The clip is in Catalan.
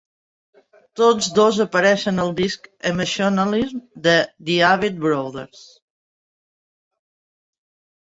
Tots dos apareixen al disc "Emotionalism" de The Avett Brothers.